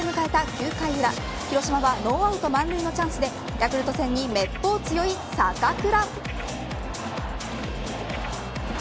９回裏広島はノーアウト満塁のチャンスでヤクルト戦にめっぽう強い坂倉。